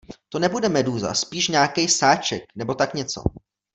To nebude medúza, spíš nějakej sáček, nebo tak něco.